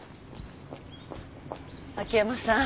秋山さん。